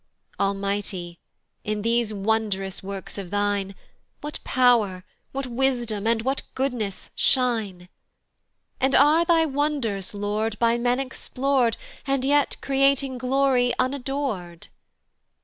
Almighty, in these wond'rous works of thine, What Pow'r, what Wisdom, and what Goodness shine! And are thy wonders, Lord, by men explor'd, And yet creating glory unador'd!